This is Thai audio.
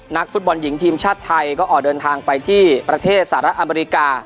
นักฟุตบอลหญิงทีมชาติไทยก็ออกเดินทางไปที่ประเทศสหรัฐอเมริกา